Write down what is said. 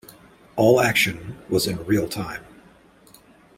All action was in real-time.